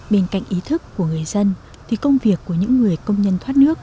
bên cạnh ý thức của người dân thì công việc của những người công nhân thoát nước